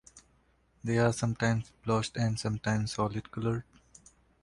They are sometimes blotched and sometimes solid-colored.